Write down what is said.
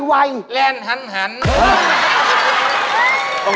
พูดจากไหน